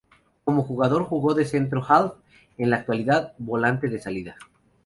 Como jugador jugó de centro half, en la actualidad volante de salida.